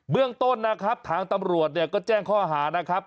เรื่องต้นนะครับทางตำรวจเนี่ยก็แจ้งข้อหานะครับ